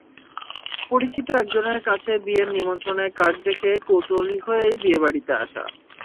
পরিচিত একজনের কাছে বিয়ের নিমন্ত্রণের কার্ড দেখে কৌতূহলী হয়েই বিয়েবাড়িতে আসা।